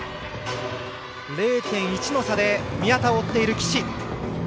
０．１の差で宮田を追っている岸。